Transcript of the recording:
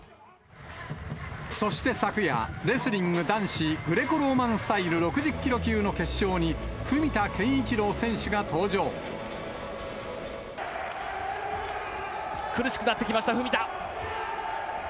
そして昨夜、レスリング男子グレコローマンスタイル６０キロ級の決勝に文田健苦しくなってきました、文田。